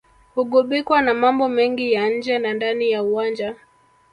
hugubikwa na mambo mengi ya nje na ndani ya uwanja